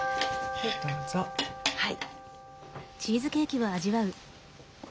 はい。